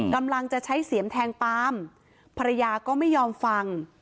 กำลังจะใช้เสียมแทงปามภรรยาก็ไม่ยอมฟัง